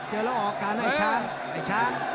เจอแล้วออกการไอ้ช้างไอ้ช้าง